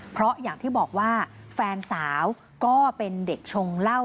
เพราะอย่างที่บอกว่าแฟนสาวก็เป็นเด็กชงเหล้า